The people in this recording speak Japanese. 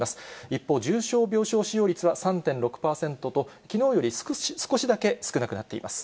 一方、重症病床使用率は３．６％と、きのうより少しだけ少なくなっています。